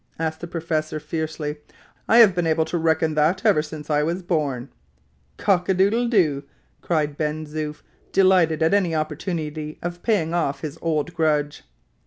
asked the professor, fiercely. "I have been able to reckon that ever since I was born." "Cock a doodle doo!" cried Ben Zoof, delighted at any opportunity of paying off his old grudge.